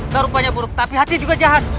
tak rupanya buruk tapi hatinya juga jahat